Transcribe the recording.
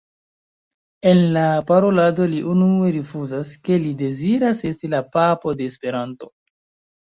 En la parolado li unue rifuzas, ke li deziras esti la Papo de Esperanto.